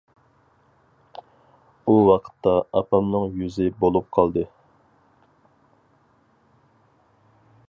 ئۇ ۋاقىتتا ئاپامنىڭ يۈزى بولۇپ قالدى.